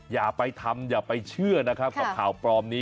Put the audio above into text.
อย่าไปทำอย่าไปเชื่อนะครับกับข่าวปลอมนี้